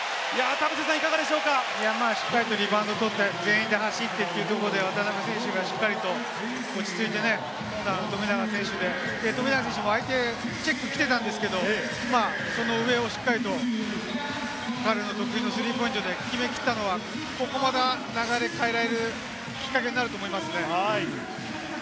しっかりとリバウンドを取って全員で走ってというところで、渡邊選手がしっかりと落ち着いて富永選手で、富永選手も相手、チェックきていたんですけれども、その上をしっかりと彼の得意のスリーポイントで決め切ったのはここはまだ流れを変えられるきっかけになると思いますね。